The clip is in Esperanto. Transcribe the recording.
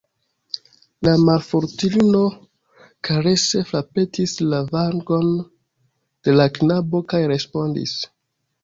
La malfortulino karese frapetis la vangon de la knabo kaj respondis: